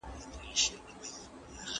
هر نسل د خپل وخت مطابق نوي افکار لري.